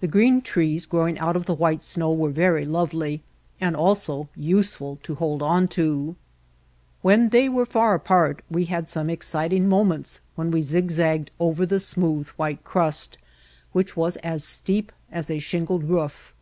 The green trees growing out of the white snow were very lovely, and also useful to hold on to. When they were far apart we had some exciting moments when we zigzagged over the smooth, white crust, which was as steep as a shingled roof.